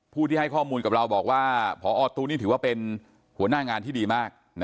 ผู้ที่ให้ข้อมูลกับเราบอกว่าพอตู้นี่ถือว่าเป็นหัวหน้างานที่ดีมาก